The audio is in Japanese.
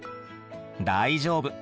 大丈夫。